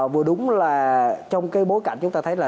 vừa đúng là trong cái bối cảnh chúng ta thấy là